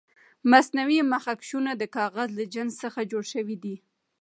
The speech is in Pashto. مصنوعي مخکشونه د کاغذ له جنس څخه جوړ شوي دي.